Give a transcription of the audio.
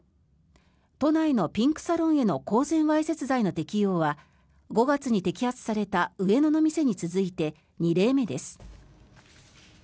都内のピンクサロンへの公然わいせつ罪の適用は５月の摘発された上野の店に続いて２例目です。